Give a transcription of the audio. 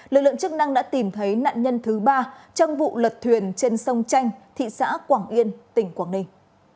lực lượng chức năng đã tìm thấy nạn nhân thứ ba trong vụ lật thuyền trên sông chanh thị xã quảng yên tỉnh quảng ninh